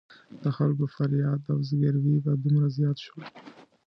د خلکو فریاد او زګېروي به دومره زیات شول.